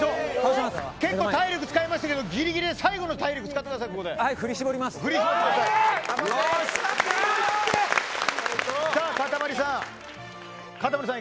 結構、体力使いましたけど最後の体力を使ってください